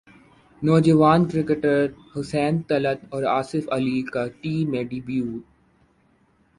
نوجوان کرکٹر حسین طلعت اور اصف علی کا ٹی میں ڈیبیو